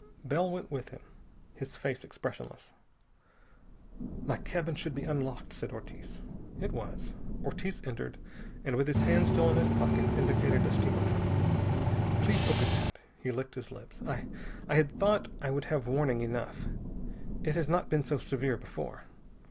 Bell went with him, his face expressionless. "My cabin should be unlocked," said Ortiz. It was. Ortiz entered, and, with his hands still in his pockets, indicated a steamer trunk. "Please open that." He licked his lips. "I I had thought I would have warning enough. It has not been so severe before.